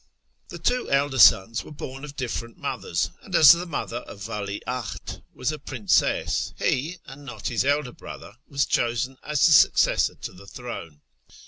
Tlie two elder sons were born of different mothers, and as the mother of the Vali ahd was a princess, he, and not his elder brother, was chosen as the successor to the throne.